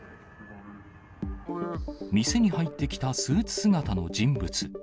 店に入ってきたスーツ姿の人物。